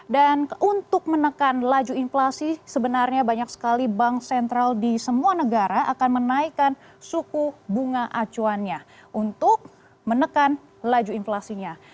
dan untuk menekan laju inflasi sebenarnya banyak sekali bank sentral di semua negara akan menaikkan suku bunga acuannya untuk menekan laju inflasinya